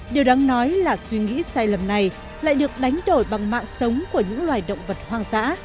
điều đáng nói là suy nghĩ sai lầm này lại được đánh đổi bằng mạng sống của những loài động vật hoang dã